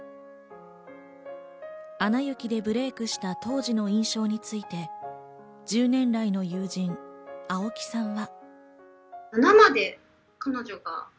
『アナ雪』でブレイクした当時の印象について１０年来の友人・青木さんは。